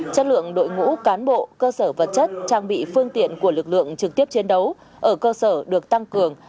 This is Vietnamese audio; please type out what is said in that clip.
chất lượng đội ngũ cán bộ cơ sở vật chất trang bị phương tiện của lực lượng trực tiếp chiến đấu ở cơ sở được tăng cường